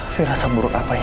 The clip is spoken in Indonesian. firasah buruk apa ini